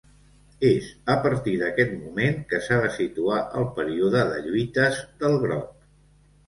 És a partir d'aquest moment que s'ha de situar el període de lluites del Groc.